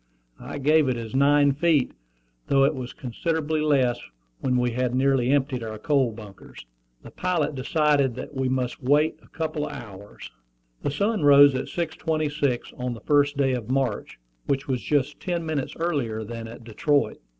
I gave it as nine feet, though it was considerably less when we had nearly emptied our coal bunkers. The pilot decided that we must wait a couple of hours. The sun rose at 6.26 on the first day of March, which was just ten minutes earlier than at Detroit.